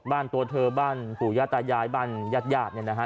บ้านตัวเธอบ้านผู้ยาตายายบ้านญาติหยาดเนี่ยนะฮะ